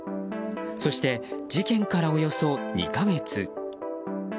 そして、事件からおよそ２か月。